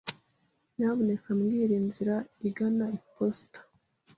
Nyamuneka mbwira inzira igana iposita.